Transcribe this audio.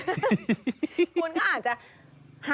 คุณก็อาจจะ